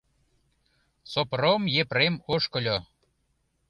Сопром Епрем ошкыльо.